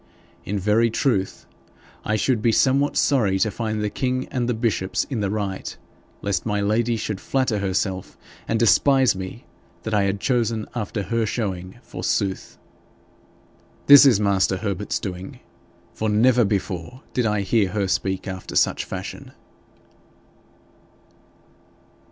In very truth I should be somewhat sorry to find the king and the bishops in the right, lest my lady should flatter herself and despise me that I had chosen after her showing, forsooth! This is master Herbert's doing, for never before did I hear her speak after such fashion.'